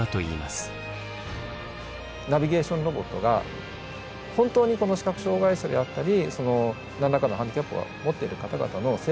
ナビゲーションロボットが本当に視覚障害者であったり何らかのハンディキャップをもっている方々の生活を広げる。